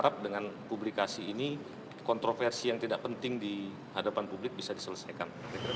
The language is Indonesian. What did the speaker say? tetap dengan publikasi ini kontroversi yang tidak penting di hadapan publik bisa diselesaikan